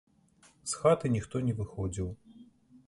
З хаты ніхто не выходзіў.